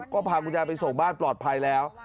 ก็พาคุณยายไปส่งบ้านปลอดภัยแล้ว